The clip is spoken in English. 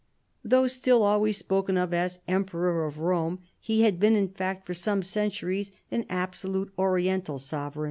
Though still always spoken of as Emperor of Rome, he had been in fact for some centuries an absolutely Orien tal Sovei eiL!'!!.